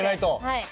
はい。